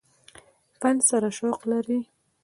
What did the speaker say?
فن سره شوق لري ۔